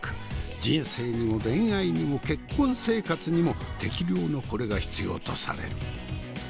人生にも恋愛にも結婚生活にも適量のこれが必要とされる。